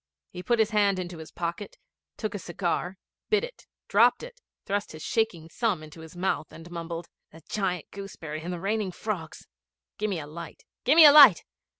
He put his hand into his pocket, took a cigar, bit it, dropped it, thrust his shaking thumb into his mouth and mumbled, 'The giant gooseberry and the raining frogs! Gimme a light gimme a light!